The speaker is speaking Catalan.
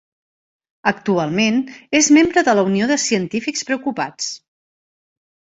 Actualment, és membre de la Unió de Científics Preocupats.